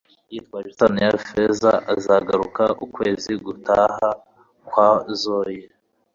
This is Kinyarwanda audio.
yitwaje isaho ya feza, azagaruka ukwezi gutaha kwazoye